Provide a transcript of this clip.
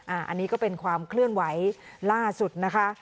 อันนี้ก็เป็นความเคลื่อนไหวล่าสุดนะคะ